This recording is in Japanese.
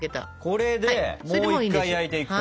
ここでもう一回焼いていくと。